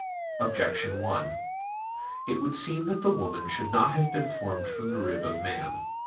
Objection 1: It would seem that the woman should not have been formed from the rib of man.